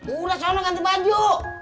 udah sana ganti baju